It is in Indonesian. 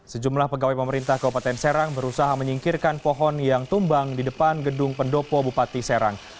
sejumlah pegawai pemerintah kabupaten serang berusaha menyingkirkan pohon yang tumbang di depan gedung pendopo bupati serang